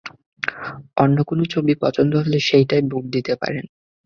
অন্য কোন ছবি পছন্দ হলে সেটাই ভোট দিতে পারেন।